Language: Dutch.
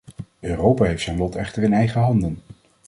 Europa heeft zijn lot echter in eigen handen.